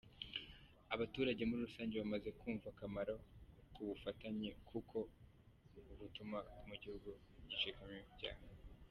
Abaturage muri rusange bamaze kumva akamaro k’ubufatanye kuko butuma mu gihugu gicikamo ibyaha.